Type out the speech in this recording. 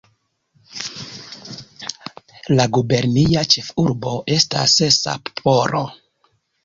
La gubernia ĉefurbo estas Sapporo.